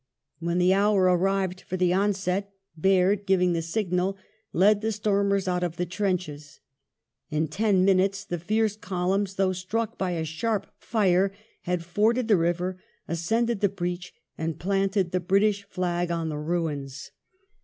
When the hour ar rived for the onset, Baird, giving the signal, led the stormers out of the trenches ; in ten minutes the fierce columns, though struck by a sharp fire, had forded the river, ascended the breach, and planted the British flag on the ruins.